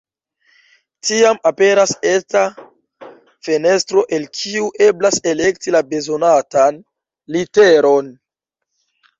Tiam aperas eta fenestro, el kiu eblas elekti la bezonatan literon.